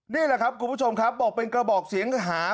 นี่แหละครับคุณผู้ชมครับบอกเป็นกระบอกเสียงหา